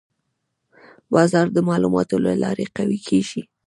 بازار د معلوماتو له لارې قوي کېږي.